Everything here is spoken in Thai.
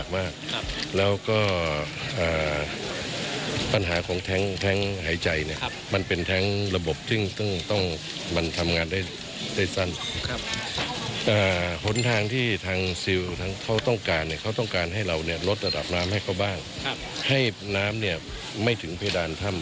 ไม่ถึงพิดารถ้ำในทางที่ไปกันนะให้มากที่สุด